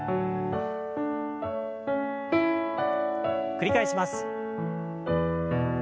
繰り返します。